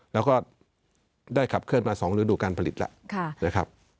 แล้วก็ได้ขับเคลื่อนมาสองฤดูการผลิตแล้ว